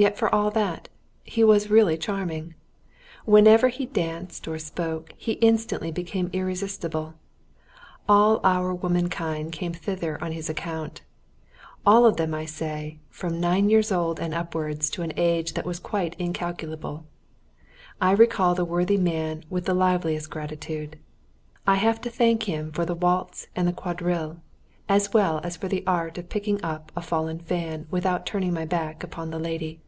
Yet, for all that, he was really charming. Whenever he danced or spoke, he instantly became irresistible. All our womankind came thither on his account; all of them I say, from nine years old and upwards to an age that was quite incalculable. I recall the worthy man with the liveliest gratitude. I have to thank him for the waltz and the quadrille, as well as for the art of picking up a fallen fan without turning my back upon the lady.